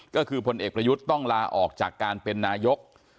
ก็คือพลเอกประยุทธ์ต้องลาออกจากการเป็นนายก